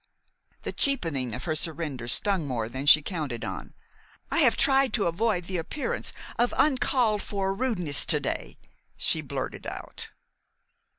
The cheapening of her surrender stung more than she counted on. "I have tried to avoid the appearance of uncalled for rudeness to day," she blurted out.